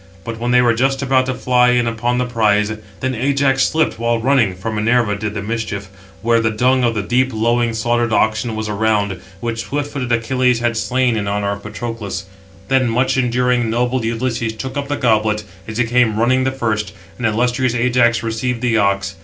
But when they were just about to fly in upon the prize, then Ajax slipped, while running (for Minerva did the mischief), where the dung of the deep lowing slaughtered oxen was around, which swift footed Achilles had slain in honour of Patroclus. Then much enduring, noble Ulysses took up the goblet, as he came running the first; and illustrious Ajax received the ox.